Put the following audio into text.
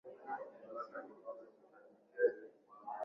huathiri sana aina mbalimbali za mifumo ya ikolojia na kupunguza